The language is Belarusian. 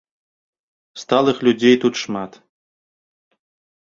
Сталых людзей тут шмат.